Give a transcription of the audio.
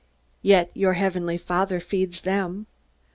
Yet your Heavenly Father feeds them.